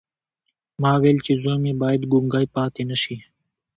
ما ویل چې زوی مې باید ګونګی پاتې نه شي